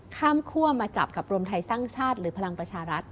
คั่วมาจับกับรวมไทยสร้างชาติหรือพลังประชารัฐ